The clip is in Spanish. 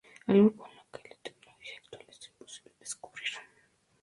Algo que, con la tecnología actual, es imposible descubrir.